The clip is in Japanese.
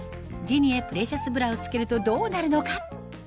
ジニエプレシャスブラを着けるとどうなるのか？